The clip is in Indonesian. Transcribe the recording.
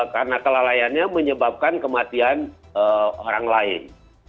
karena kelalaiannya menyebabkan kematian orang lain